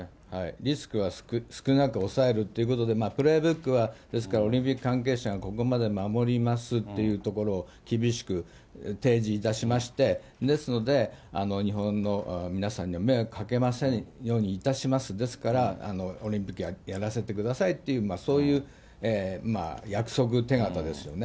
リスクは少なく抑えるということで、プレイブックはですから、オリンピック関係者がここまで守りますっていうところを厳しく提示いたしまして、ですので、日本の皆さんには迷惑かけませんようにいたします、ですからオリンピックやらせてくださいっていう、そういう約束手形ですよね。